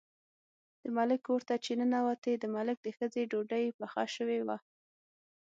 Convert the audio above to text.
د ملک کور ته چې ننوتې، د ملک د ښځې ډوډۍ پخه شوې وه.